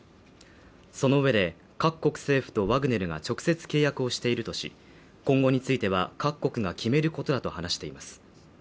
その上で、各国政府とワグネルが直接契約をしているとし今後については、各国が決めることだと話しています。